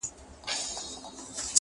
څو شپې ورځي وو په غره کي ګرځېدلی.!